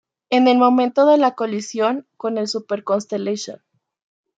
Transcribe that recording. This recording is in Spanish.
En el momento de la colisión con el Super Constellation.